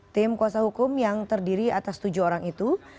tim kuasa hukum yang terdiri atas tujuh orang itu